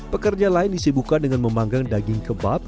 pekerja lain disibukan dengan memanggang daging kebab